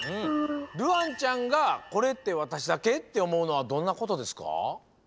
るあんちゃんが「これってわたしだけ？」っておもうのはどんなことですか？